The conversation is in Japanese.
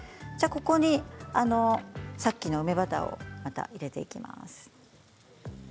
ここにさっきの梅バターを入れていきます。